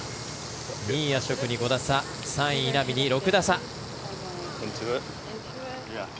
２位アショクに５打差３位、稲見に６打差。